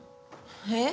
えっ？